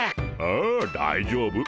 ああ大丈夫。